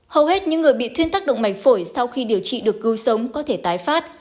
hầu hết những người bị thuyên tác động mạch phổi sau khi điều trị được cứu sống có thể tái phát